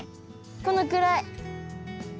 このくらい。